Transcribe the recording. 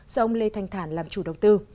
do ông lê thanh thản làm chủ đầu tư